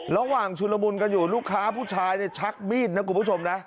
ชุลมุนกันอยู่ลูกค้าผู้ชายเนี่ยชักมีดนะคุณผู้ชมนะ